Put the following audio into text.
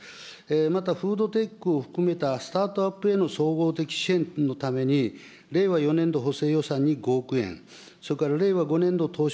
またフードテックを含めたスタートアップへの総合的支援のために、令和４年度補正予算に５億円、それから令和５年度当初